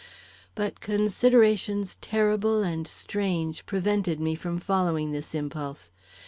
But considerations terrible and strange prevented me from following this impulse.